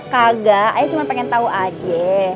kaga ayo cuma pengen tau aja